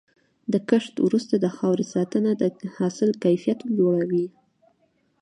د کښت وروسته د خاورې ساتنه د حاصل کیفیت لوړوي.